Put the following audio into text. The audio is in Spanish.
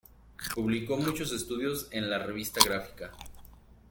Publicó muchos estudios en la "Revista Gráfica".